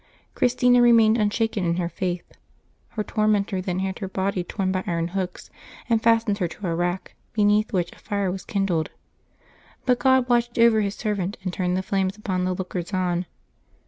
Christina re mained unshaken in her faith. Her tormentor then had her body torn by iron hooks, and fastened her to a rack beneath which a fire was kindled. But God watched over His servant and turned the flames upon the lookers on.